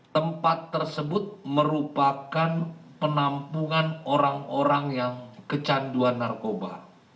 tempat tersebut merupakan penampungan orang orang yang kecanduan narkoba